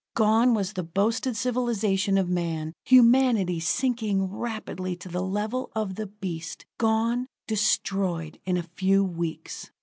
Gone was the boasted civilization of man humanity sinking rapidly to the level of the beast; gone, destroyed in a few weeks!